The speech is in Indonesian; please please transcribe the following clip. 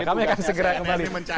kami akan segera kembali